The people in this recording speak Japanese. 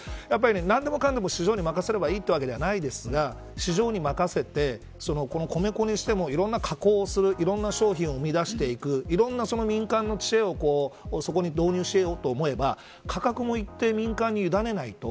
何でもかんでも市場に任せればいいわけではないですが市場に任せて、米粉にしてもいろんな加工をしていろんな商品を生み出していくいろんな民間の知恵をそこに導入しようと思えば価格も一定民間にゆだねないと。